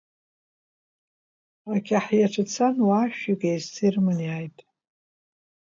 Ақьаҳиацәа цан, уаа-шәҩык еизца ирыманы иааит.